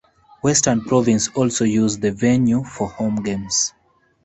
Western Province also use the venue for home games.